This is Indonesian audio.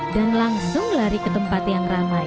dan langsung lari ke tempat yang ramai